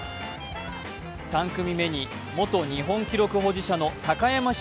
３組目に元日本記録保持者の高山峻